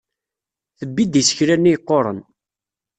Tebbid isekla-nni yeqquren.